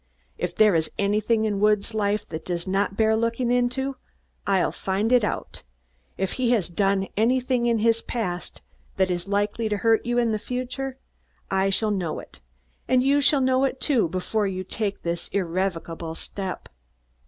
If there is anything in Woods' life that does not bear looking into, I'll find it out; if he has done anything in the past that is likely to hurt you in the future, I shall know it, and you shall know it, too, before you take this irrevocable step."